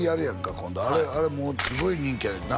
今度あれもうすごい人気やねんな